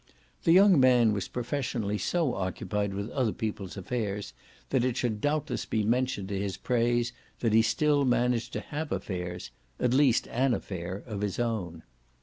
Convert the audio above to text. The young man was professionally so occupied with other people's affairs that it should doubtless be mentioned to his praise that he still managed to have affairs or at least an affair of his own.